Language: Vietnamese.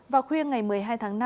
vào khuya ngày một mươi hai tháng năm